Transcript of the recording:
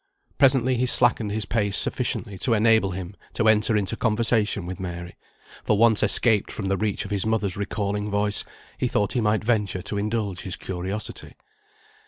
Presently he slackened his pace sufficiently to enable him to enter into conversation with Mary, for once escaped from the reach of his mother's recalling voice, he thought he might venture to indulge his curiosity.